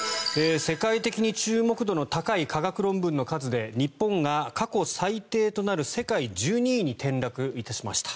世界的に注目度の高い科学論文の数で日本が過去最低となる世界１２位に転落いたしました。